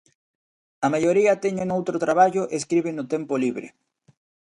A maioría teñen outro traballo e escriben no tempo libre.